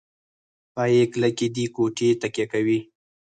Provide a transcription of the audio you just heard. پایې کلکې دي کوټې تکیه کوي.